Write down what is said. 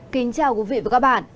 kính chào quý vị và các bạn